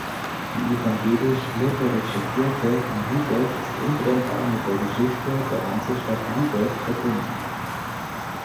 Die Evangelisch-Lutherische Kirche in Lübeck ist untrennbar mit der Geschichte der Hansestadt Lübeck verbunden.